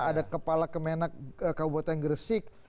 ada kepala kemenak kabupaten gresik